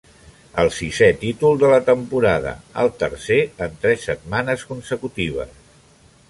El sisè títol de la temporada, el tercer en tres setmanes consecutives.